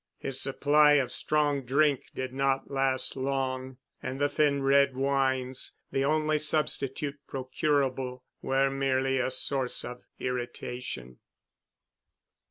His supply of strong drink did not last long, and the thin red wines, the only substitute procurable, were merely a source of irritation.